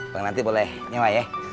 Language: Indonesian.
bang nanti boleh nyewa ya